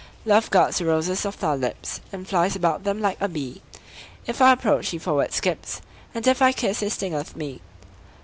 Love guards the roses of thy lips, And flies about them like a bee: If I approach, he forward skips, And if I kiss, he stingeth me.